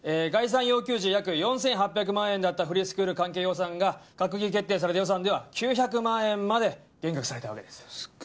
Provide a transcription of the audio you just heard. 概算要求時約４８００万円だったフリースクール関係予算が閣議決定された予算では９００万円まで減額されたわけです。